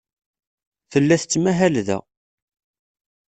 Tella tettmahal da.